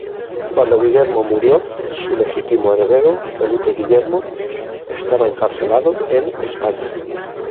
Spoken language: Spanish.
Cuando Guillermo murió, su legítimo heredero, Felipe Guillermo, estaba encarcelado en España.